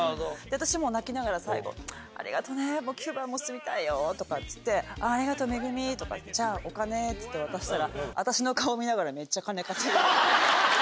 私もう泣きながら最後、ありがとうね、キューバ住みたいよとか言って、ありがとう、ＭＥＧＵＭＩって、じゃあ、お金っていって渡したら、私の顔見ながら、めっちゃ金数えてた。